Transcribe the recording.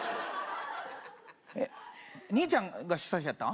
えっ兄ちゃんが主催者やったん？